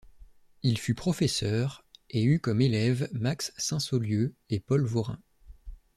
Il fut professeur et eut comme élève Max Sainsaulieu et Paul Vorin.